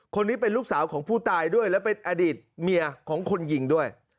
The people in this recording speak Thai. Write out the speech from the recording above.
คนนี้เป็นลูกสาวของผู้ตายด้วยและเป็นอดีตเมียของคนยิงด้วย